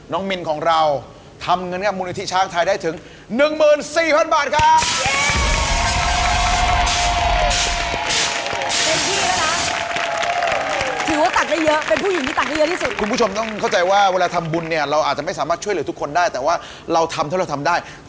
น้องมินครับขอให้โชคดี